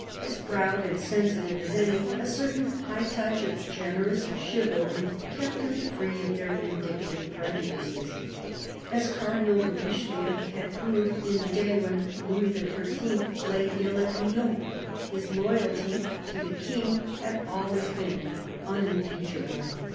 As proud and sensitive as any, a certain high touch of generous chivalry kept him free of their vindictive prejudices — as Cardinal de Richelieu had proved in the day when Louis XIII. lay ill at Lyons. His loyalty to the King had always been unimpeachable.